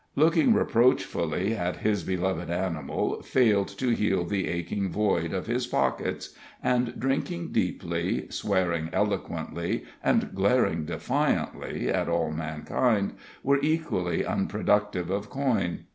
Looking reproachfully at his beloved animal failed to heal the aching void of his pockets, and drinking deeply, swearing eloquently and glaring defiantly at all mankind, were equally unproductive of coin.